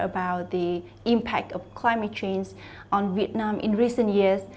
đầu tiên họ sẽ được ảnh hưởng bởi việc này